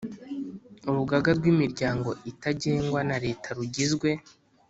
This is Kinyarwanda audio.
Urugaga rw imiryango itagengwa na Leta rugizwe